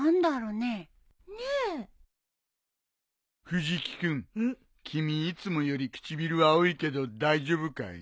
藤木君君いつもより唇青いけど大丈夫かい？